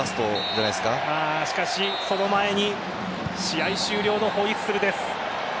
しかし、その前に試合終了のホイッスルです。